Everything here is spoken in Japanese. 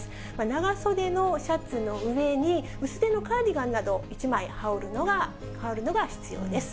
長袖のシャツの上に、薄手のカーディガンなどを一枚羽織るのが必要です。